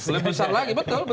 lebih besar lagi betul